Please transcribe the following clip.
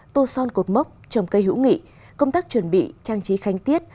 tô son cột mốc trồng cây hữu nghị công tác chuẩn bị trang trí khánh tiết